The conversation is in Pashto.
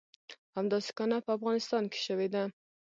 همداسې کانه په افغانستان کې شوې ده.